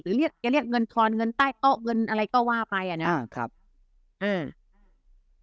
เรียกแกเรียกเงินทอนเงินใต้โต๊ะเงินอะไรก็ว่าไปอ่ะนะอ่าครับอ่า